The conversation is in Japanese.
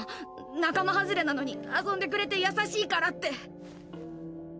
仲間はずれなのに遊んでくれて優しいからって！